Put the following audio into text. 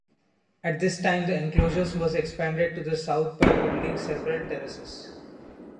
At this time, the enclosure was expanded to the south by building several terraces.